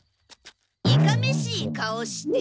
いかめしい顔して。